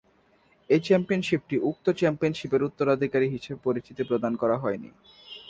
এই চ্যাম্পিয়নশিপটি উক্ত চ্যাম্পিয়নশিপের উত্তরাধিকারী হিসেবে পরিচিতি প্রদান করা হয়নি।